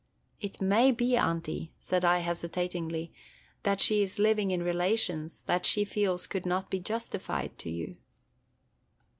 "It may be, Aunty," said I, hesitatingly, "that she is living in relations that she feels could not be justified to you."